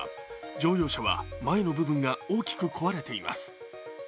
乗用車は前の部分が大きく壊れています。